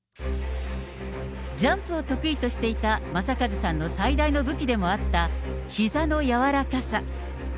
ジャンプを得意としていた正和さんの最大の武器でもあった、ひざの柔らかさ。